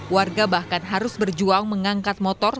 warga bahkan harus berjuang mengangkat motor